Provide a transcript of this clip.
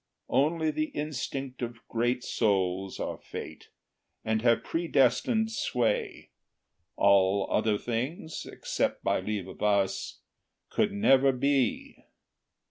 Only the instincts of great souls are Fate, And have predestined sway: all other things, Except by leave of us, could never be.